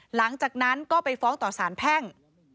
หลังจากนั้นก็ไปฟ้องต่อสารแพ่ง